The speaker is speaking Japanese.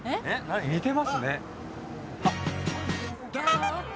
似てますね。